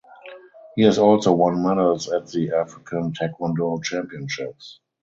He has also won medals at the African Taekwondo Championships.